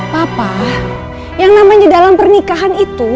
papa yang namanya dalam pernikahan itu